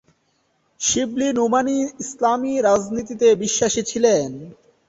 শিবলী নোমানী ইসলামি রাজনীতিতে বিশ্বাসী ছিলেন।